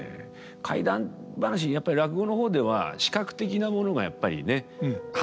怪談噺やっぱり落語の方では視覚的なものがやっぱりね話だけですから。